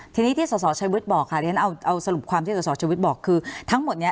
ทีนี้ที่สสชัยวิทย์บอกค่ะเรียนเอาสรุปความที่สสชวิตบอกคือทั้งหมดนี้